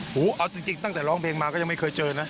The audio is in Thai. เอาจริงตั้งแต่ร้องเพลงมาก็ยังไม่เคยเจอนะ